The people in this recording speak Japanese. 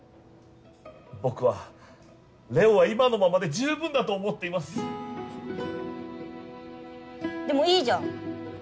僕はれおは今のままで十分だと思っていますでもいいじゃん！